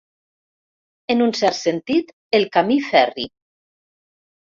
En un cert sentit, el camí ferri.